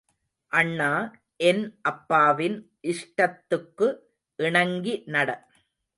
அண்ணா, என் அப்பாவின் இஷ்டத்துக்கு இணங்கி நட.